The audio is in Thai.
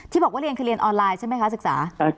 บอกว่าเรียนคือเรียนออนไลน์ใช่ไหมคะศึกษา